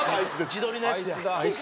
自撮りのやつや。